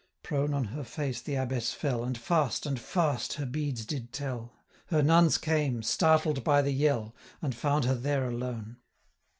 Prone on her face the Abbess fell, And fast, and fast, her beads did tell; 775 Her nuns came, startled by the yell, And found her there alone.